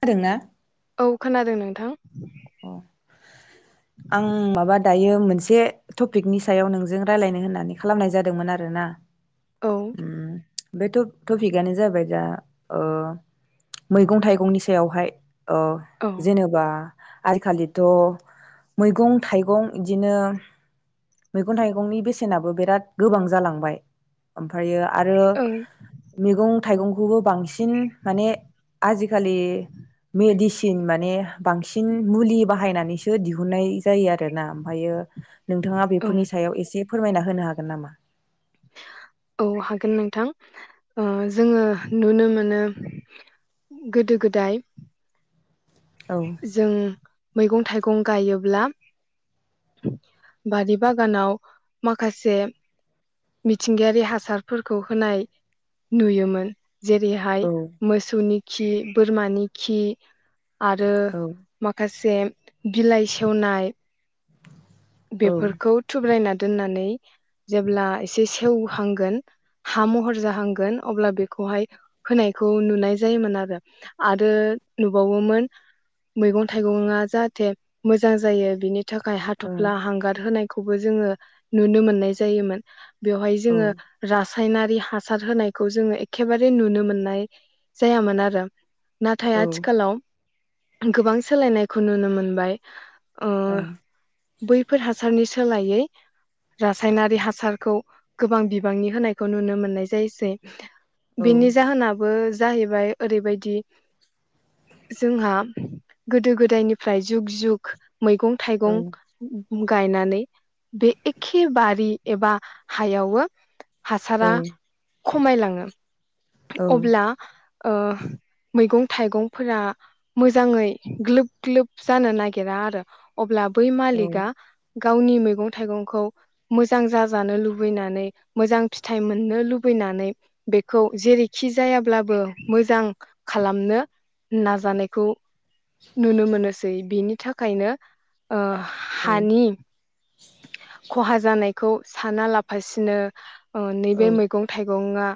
खोनादों ना औ खोनादों नोंथां अ आं माबा दायो मोनसे टपिकनि सायाव नोंजों रायलायनो होननानै खालामनाय जादोंमोन आरोना औ उम बे टपिकआनो जाबाय दा ओ मैगं थाइगंनि सायावहाय अ औ जेनेबा आजिखालिथ' मैगं थाइगं इदिनो मैगं थाइगंनि बेसेनाबो बिराद गोबां जालांबाय ओमफ्रायो आरो औ मैगं थाइगंखौबो बांसिन बांसिन माने आजिखालि मेडिसिन माने बांसिन बांसिन मुलि बाहायनानैसो दिहुननाय जायो आरो ना ओमफायो नोंथाङा औ बेफोरनि सायाव एसे फोरमायना होनो हागोन नामा औ हागोन नोंथां ओ जोङो नुनो मोनो गोदो गोदाय औ जों मैगं थाइगं गायोब्ला बारि बागानाव माखासे मिथिंगायारि हासारफोरखौ होनाय नुयोमोन जेरैहाय औ मोसौनि खि बोरमानि खि आरो औ माखासे से बिलाइ सेवनाय औ बेफोरखौ थुब्रायना दोननानै जेब्ला एसे सेवहांगोन हा महर जाहांगोन अब्ला बेखौहाय होनायखौ नुनाय जायोमोन आरो आरो नुबावोमोन मैगं थाइगङा जाहाथे मोजां जायो बिनि थाखाय हाथफ्ला हांगार होनाय खौबो जोङो नुनो मोननाय जायोमोन बेवहाय जोङो ओं औ रासायनारि हासार होनायखौ जोङो एखेबारे नुनो मोननाय जायामोन आरो नाथाय औ ओं आथिखालाव गोबां सोलायनायखौ नुनो मोनबाय ओ बैफोर हासारनि सोलायै रासायनारि हासारखौ गोबां बिबांनि होनायखौ नुनो मोननाय जायोसै बिनि जाहोनाबो जाहैबाय ओरैबायदि जोंहा गोदो गोदायनिफ्राय जुग जुग मैगं थाइगं गायनानै बे एखे बारि एबा हायावो हासारा ओं औ खमायलाङो औ अब्ला ओ मैगं थाइगंफोरा मोजाङै ग्लोब ग्लोब जानो नागिरा आरो अब्ला बै मालिगा गावनि मैगं थाइगंखौ मोजां जाजानो लुबैनानै मोजां फिथाइ मोननो लुबैनानै बेखौ जेरैखि जायाब्लाबो मोजां खालामनो नाजानायखौ नुनो मोनोसै बिनि थाखायनो ओ हानि खहा जानाय खौ साना लाफासिनो ओ नैबे मैगं थाइगंआ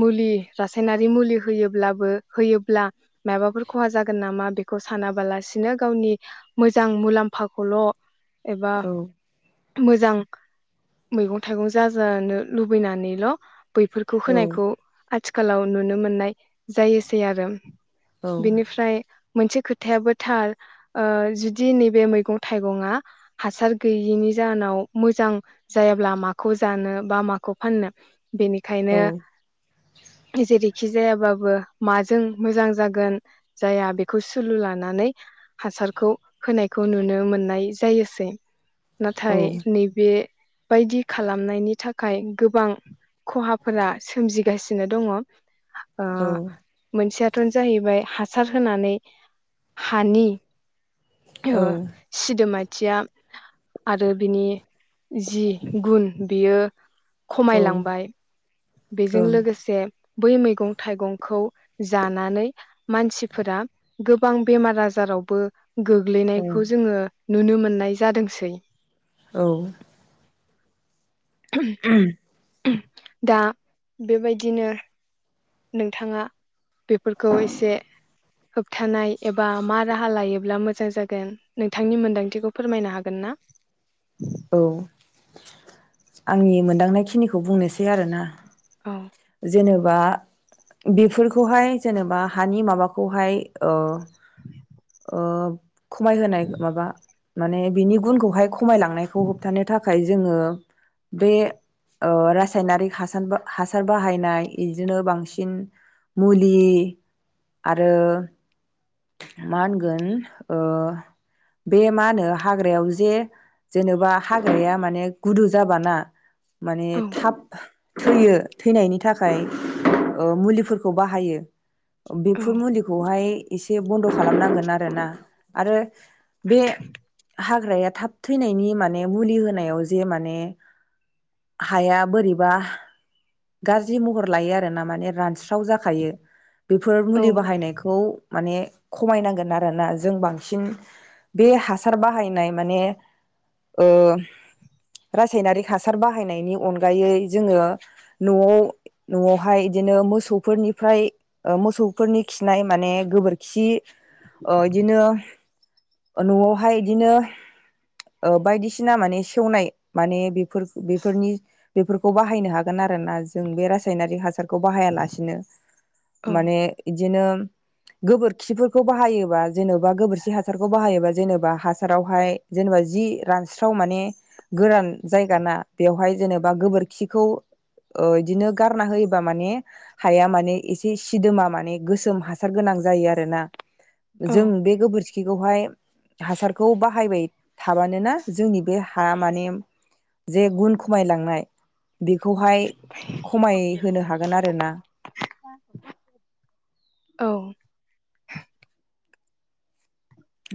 मुलि रासायनारि मुलि होयोब्लाबो होयोब्ला माबाफोर खहा जागोन नामा बेखौ सानाबालासिनो गावनि मोजां मुलाम्फाखौल' एबा मोजां मैगं थाइगं जाजानो लुबैनानैल' बैफोरखौ औ होनायखौ आथिखालाव नुनो मोननाय जायोसै आरो। औ बिनिफ्राय मोनसे खोथायाबोथार ओ जुदि नैबे मैगं थाइगङा हासार गैयिनि जाहोनाव मोजां जायाब्ला माखौ जानो बा माखौ फाननो बेनिखायनो जेरैखि जायाबाबो माजों मोजां जागोन जाया बेखौ सुलु लानानै हासारखौ होनायखौ नुनो मोननाय जायोसै। नाथाय नैबे बायदि खालामनायनि थाखाय गोबां खहाफोरा सोमजि गासिनो दङ। ओ औ मोनसेयाथ'न जाहैबाय हा सार होनानै हानि औ ओ सिदोमाय थिया आरो बिनि जि गुन बियो खमायलांबाय बे जों लोगोसे बै मैगं थाइगंखौ जानानै मानसिफोरा गोबां बेमार आजारावबो ओं गोग्लैनायखौ जोङो। नुनो मोननाय जादोंसै। औ। उम। दा बेबायदिनो नोंथाङा बेफोरखौ एसे होबथानाय एबा मा राहा लायोब्ला मोजां जागोन नोंथांनि मोनदांथिखौ फोरमायनो हागोन ना? औ आंनि मोनदांनाय खिनिखौ बुंनोसै आरोना ओ जेनेबा बेफोरखौहाय जेनेबा हानि माबाखौहाय ओ ओ खमायहोनाय माबा माने बिनि गुनखौहाय खमायलांनायखौ होबथानो थाखाय जोङो बे ओ रासायनारि हासान हा सार बाहायनाय इदिनो बांसिन मुलि आरो मा होनगोन ओ बे मा होनो हाग्रायाव जे जेनेबा हाग्राया माने गुदु जाबाना माने औ थाब थैयो थैनायनि था खाय ओ मुलिफोर खौ बाहायो औ बेफोर मुलिखौहाय एसे बनद' खालामनांगोन आरोना आरो बे हाग्राया थाब थैनायनि माने मुलि होनायाव जे माने हाया बोरैबा गाज्रि महर लायो आर ना माने रानस्राव जाखायो बेफोर औ मुलि बाहायनायखौ माने खमायनांगोन आरोना जों बांसिन बे हासार बाहायनाय माने ओ रासायनारिक हासार बाहायनायनि अनगायै जोङो न'आव न'आवहाय इदिनो मोसौफोरनिफ्राय मोसौफोरनि खिनाय माने गोबोरखि ओ इदिनो न'आवहाय इदिनो ओ बायदिसिना माने सेवनाय माने बिफोर बिफोरनि बिफोरखौ बाहायनो हागोन आरोना जों बे रासायनारि हासार खौ बाहाया लासिनो औ माने इदिनो गोबोरखिफोरखौ बाहायोबा जेन'बा गोबोरखि हासारखौ बाहायोबा जेनेबा हासारावहाय जेनेबा जि रानस्राव माने गोरान जायगा ना बेवहाय जेनेबा गोबोरखिखौ ओ बिदिनो गारना होयोबा माने हाया माने एसे सिदोमा माने गोसोम हा सार गोनां जायो आरोना औ जों बे गोबोरखिखौहाय हासारखौ बाहायबाय थाबानोना जोंनि बे हा माने जे गुन खमायलांनाय बे खौहाय थांफिन। खमायहोनो हागोन आरोना औ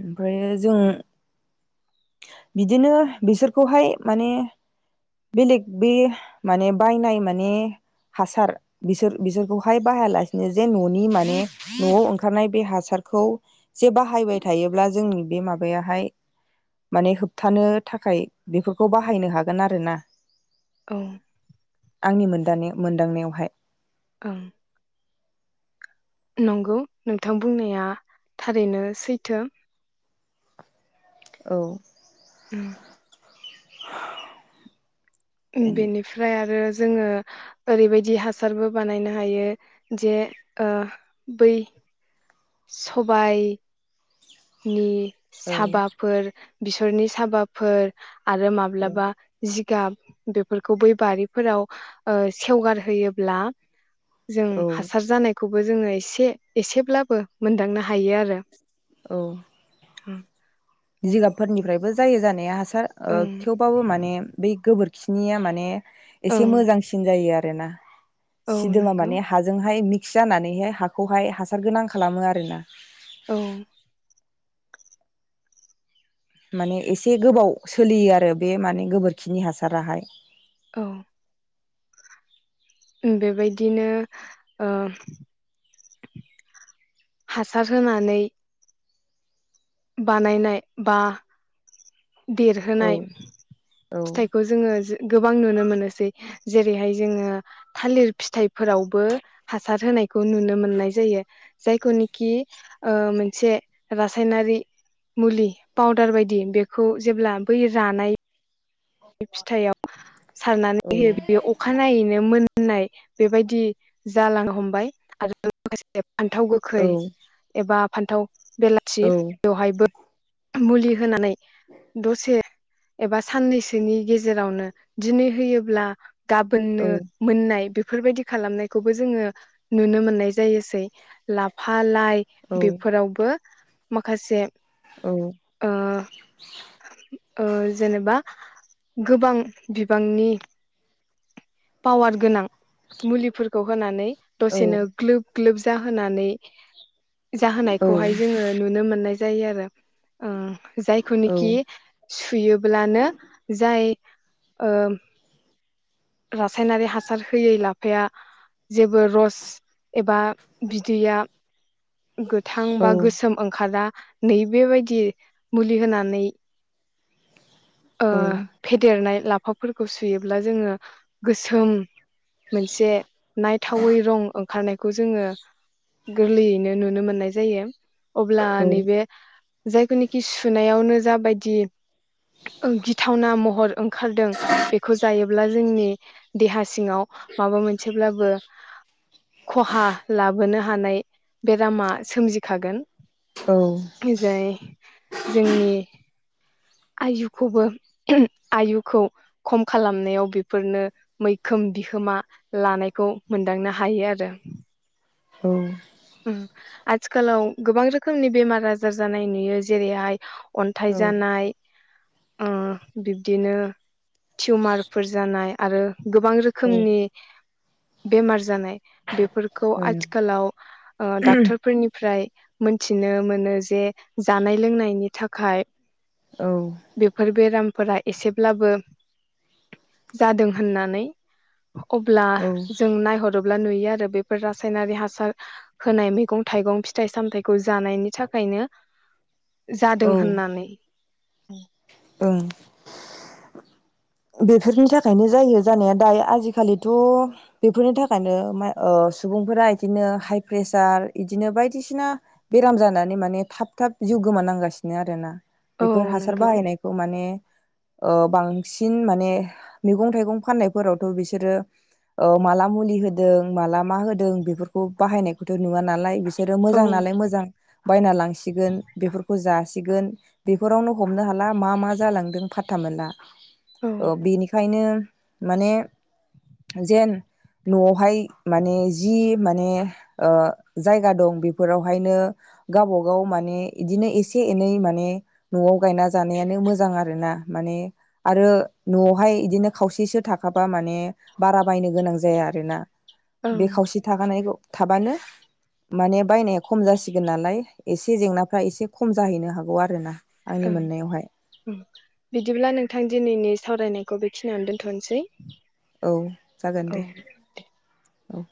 ओमफ्राय जों बिदिनो बिसोरखौहाय माने बेलेग बे माने बायनाय माने हासार बिसोर बिसोरखौहाय बाहायालासेनो जे न'नि माने न'आव ओंखारनाय बे हासारखौ जे बाहायबाय थायोब्ला जोंनि बे माबायाहाय माने होबथानो थाखाय बेफोरखौ बाहायनो हागोन आरो ना औ आंनि मोनदानायाव मोनदांनायावहाय औ नंगौ नोंथां बुंनाया थारैनो सैथो औ उम बेनिफ्राय आरो जोङो ओरैबायदि हासारबो बानायनो हायो जे ओ बै सबाय नि साबाफोर बेसरनि साबाफोर आरो औ माब्लाबा जि गाब बेफोरखौ बै बारिफोराव ओ सेवगार होयोब्ला जों औ हासार जानाय खौबो जोङो एसे एसेब्लाबो मोनदांनो हायो आरो औ औ जिगाबफोरनिफ्रायबो जायो जानाया हास सार ओ ओं थेवबाबो माने बै गोबोर बिखिनिया माने एसे ओं मोजांसिन जायो आरो ना औ सिदोमा नंगौ माने हाजोंहाय मि खि जानानैहाय हाखौहाय हासार गोनां खालामो आरो ना औ माने एसे गोबाव सोलियो आरो बे माने गोबोरखिनि हासाराहाय औ बेबायदिनो ओ हासार होनानै बानायनाय बा औ देरहोनाय औ फिथाइखौ जोङो गोबां नुनो मोनोसै जेरैहाय जोङो थालिर फिथाइफोरावबो हासार होनायखौ नुनो मोननाय जायो जायखौनोखि ओ मोनसे रासायनारि मुलि पाउदार बायदि बेखौ जेब्ला बै रानाय फिथायाव सारनानै औ होयो बेयो अखनायैनो मोन होननाय बेबायदि जालांनो हमबाय आरो लोगोसे फान्थाव औ गोखै एबा फान्थाव बेलासि औ बेवहायबो मुलि होनानै दसे एबा साननैसो बिनि गेजेरावनो दिनै होयोब्ला औ गाबोननो मोननाय बे बेफोरबायदि खालामनायखौबो जोङो नुनो मोननाय सै ला मा लाइ औ बेफोरावबो माखासे औ ओ‌‌ जेनेबा गोबां बिबांनि पावार गोनां मुलिफोरखौ होनानै औ दसेनो ग्लोब ग्लोब जाहोनानै औ जाहोनायखौहाय जोङो नुनो मोननाय जायो आरो ओं जायखौनोखि सुयोब्लानो जाय ओ रासायनारि हासार होयै लाफाया जेबो रस एबा बिदैया गोथां बा गोसोम ओंखारा नै बेबायदि मुलि होनानै ओ‌‌ फेदेरनाय लाफाफोरखौ सुयोब्ला जोङो गोसोम मोनसे नायथावै रं ओंखारनाय खौ जोङो गोरलैयैनो नुनो मोननाय जायो। अब्ला औ नैबे जायखौनिखि सु नायावनो जाबायदि ओ गिथावना महर ओं ओंखारदों बेखौ जायोब्ला नि देहा सिङाव माबा मोनसेब्लाबो खहा लाबोनो हानाय बेरामा सोमजिखागोन। ओं जाय जोंनि आयुखौबो आयुखौ खम खालामनायाव बे फोरनो मैखोम बिहोमा लानायखौ मोनदांनो हायो आरो। औ उम आथिखालाव गोबां रोखोमनि बेमार आजार जानाय नुयो जेरैहाय अन्थाइ जानाय ओ‌ बिब्दिनो टिउमारफोर जानाय आरो गोबां रोखोमनि बेमार जानाय। बे फोरखौ आथिखालाव आ डाक्टारफोरनि फ्राय मोनथिनो मोनो जे जानाय लोंनायनि थाखाय बेफोर बेरामफोरा एसेब्लाबो जादों होननानै। अब्ला जों नायहरोब ब्ला नुयो आरो बेफोर रासायनारि हासार होनाय मैगं थाइगं फिथाइ सामथायाइखौ जानायनि थाखायनो औ जादों होननानै। ओ बेफोरनि थाखायनो जायो जानाया दायो आजिखालिथ' बेफोरनि थाखायनो म ओ सुबुंफोरा इदिनो हाइ प्रेसार इदिनो बायदिसिना बेराम जानानै माने थाब थाब जिउ गोमानांगासिनो आरोना। औ बेफोर हासार नंगौ बाहायनायखौ माने ओ बांसि सिन माने मैगं थाइगं फाननायफोरावथ' बिसोरो ओ माला मुलि होदों माला मा होदों बेफोरखौ बाहायनायखौथ' नुवा नालाय बिस सोरो औ मोजां नालाय मोजां बायना लांसिगोन बेफोरखौ जा सिगोन बेफोरावनो हमनो हाला मा मा जालांदों फादथा मोनला ओं औ बेनिखायनो माने जेन न'आवहाय माने जि माने ओ जायगा दं बेफोरावहायनो गावबागाव माने बिदिनो एसे एनै माने न'आव गायना जानायानो मोजां आरो ना माने आरो न'आवहाय इदिनो खावसेसो थाखाबा माने बारा बायनो गोनां जाया आरोना बे खावसे ओं थाखानायखौ थाबानो माने बायनाया खम जासिगोन नालाय एसे जेंनाफ्रा एसे खम जाहैनो हागौ आरोना आंनि मोननायावहाय ओं बिदिब्ला नोंथां दिनैनि सावरायनायखौ बेखिनियावनो दोन्थ'नोसै औ जागोन दे औ